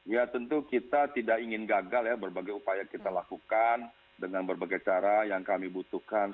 ya tentu kita tidak ingin gagal ya berbagai upaya kita lakukan dengan berbagai cara yang kami butuhkan